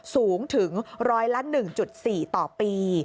สูงถึง๑๐๑๔ต่อปี